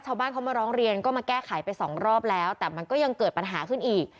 ชาวบ้านเขามาร้องเรียนก็มาแก้ไขไปสองรอบแล้วแต่มันก็ยังเกิดปัญหาขึ้นอีก